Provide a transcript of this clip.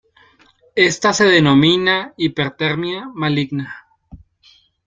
Esta se denomina "Hipertermia Maligna".